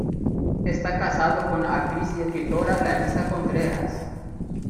Está casado con la actriz y escritora Larissa Contreras.